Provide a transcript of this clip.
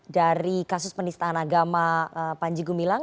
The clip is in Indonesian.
dari kasus penistaan agama panjigo milang